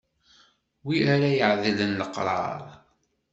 Wi ara iɛedlen leqrar.